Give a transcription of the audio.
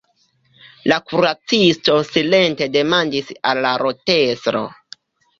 La kuracisto silente demandis al la rotestro.